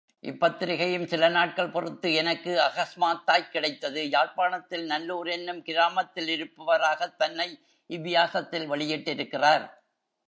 இப்பத்திரிகையும் சில நாட்கள் பொறுத்து எனக்கு அகஸ்மாத்தாய்க் கிடைத்தது யாழ்ப்பாணத்தில் நல்லூர் என்னும் கிராமத்திலிருப்பவராகத் தன்னை இவ்வியாசத்தில் வெளியிட்டிருக்கிறார்.